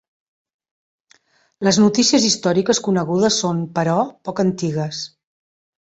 Les notícies històriques conegudes són, però, poc antigues.